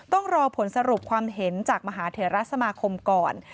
ต้องรอผลสรุปความเห็นจากมหาเถระสมาคมก่อน